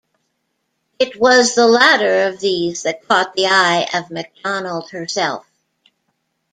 It was the latter of these that caught the eye of McDonald herself.